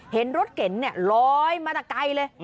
เห็นรถเก๋งลอยมาแต่ไกลเลย